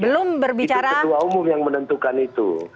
itu ketua umum yang menentukan itu